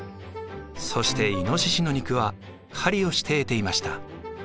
そしてイノシシの肉は狩りをして得ていました。